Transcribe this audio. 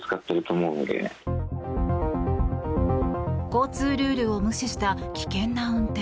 交通ルールを無視した危険な運転。